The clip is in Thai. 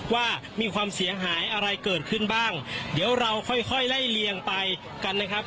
ว่ามีความเสียหายอะไรเกิดขึ้นบ้างเดี๋ยวเราค่อยค่อยไล่เลียงไปกันนะครับ